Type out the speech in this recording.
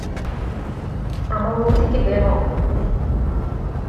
আমার রুম থেকে বের হও, প্লিজ।